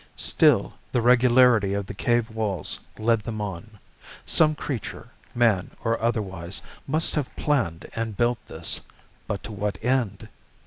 Still, the regularity of the cave walls led them on. Some creature, man or otherwise, must have planned and built this ... but to what end?